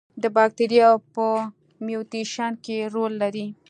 د باکتریاوو په میوټیشن کې رول لري.